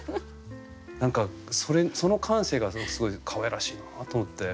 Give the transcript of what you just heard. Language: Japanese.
何かその感性がすごいかわいらしいなと思って。